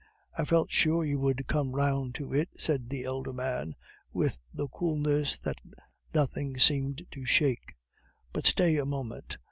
"I felt sure you would come round to it," said the elder man with the coolness that nothing seemed to shake. "But stay a moment!